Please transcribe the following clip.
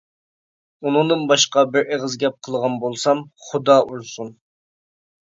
ئۇنىڭدىن باشقا بىر ئېغىز گەپ قىلغان بولسام، خۇدا ئۇرسۇن!